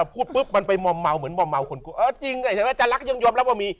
พูดปุ๊บมันไปมอมเมาเหมือนมอมเมาคนกลัวเออจริงเห็นไหมอาจารย์รักยังยอมรับว่ามี